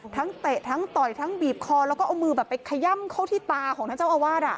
เตะทั้งต่อยทั้งบีบคอแล้วก็เอามือแบบไปขย่ำเข้าที่ตาของท่านเจ้าอาวาส